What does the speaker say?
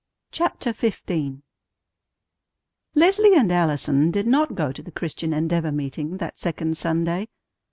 CHAPTER XV Leslie and Allison did not go to the Christian Endeavor meeting that second Sunday.